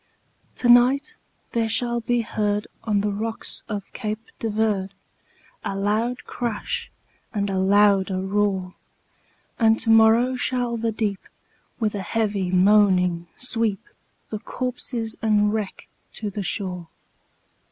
"To night there shall be heard on the rocks of Cape de Verde, A loud crash, and a louder roar; And to morrow shall the deep, with a heavy moaning, sweep The corpses and wreck to the shore."